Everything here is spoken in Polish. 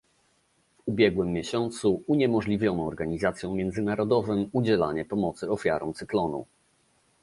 W ubiegłym miesiącu uniemożliwiono organizacjom międzynarodowym udzielenia pomocy ofiarom cyklonu